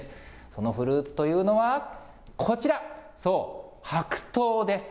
そのフルーツというのは、こちら、そう、白桃です。